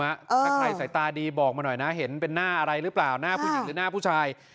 ถ้าใครสายตาดีบอกมาหน่อยนะเห็นเป็นหน้าอะไรหรือเปล่าหน้าผู้หญิงหรือหน้าผู้ชาย